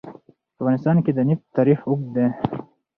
په افغانستان کې د نفت تاریخ اوږد دی.